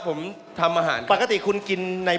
เฮ้ยอย่าเพิ่งตาย